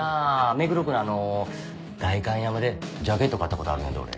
目黒区のあの代官山でジャケット買った事あるんやで俺。